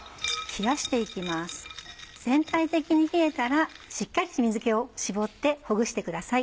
全体的に冷えたらしっかり水気を絞ってほぐしてください。